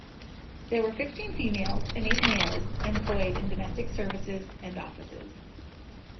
There were fifteen females and eight males employed in domestic services and offices.